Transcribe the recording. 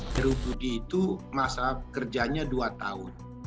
heru budi itu masa kerjanya dua tahun